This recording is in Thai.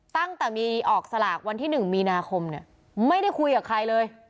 ตั้งแต่มีออกสลากวันที่๑มีนาคมเนี่ยไม่ได้คุยกับใครเลย